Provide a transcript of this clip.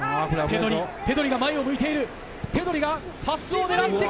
ペドリが前を向いている。